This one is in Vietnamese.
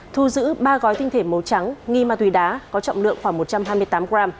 thu giữ ba gói tinh thể màu trắng nghi ma túy đá có trọng lượng khoảng một trăm hai mươi tám g